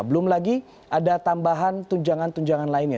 belum lagi ada tambahan tunjangan tunjangan lainnya